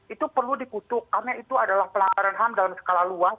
itu perlu dikutuk karena itu adalah pelanggaran ham dalam skala luas